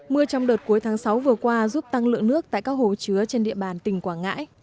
mưa trong đợt cuối tháng sáu vừa qua giúp tăng lượng nước tại các hồ chứa trên địa bàn tỉnh quảng ngãi